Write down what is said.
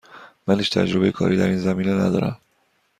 من هیچ تجربه کاری در این زمینه ندارم.